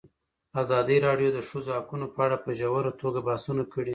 ازادي راډیو د د ښځو حقونه په اړه په ژوره توګه بحثونه کړي.